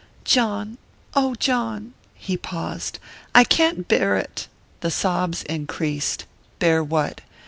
"John oh, John!" He paused. "I can't bear it!" The sobs increased. "Bear what?"